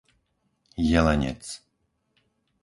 Jelenec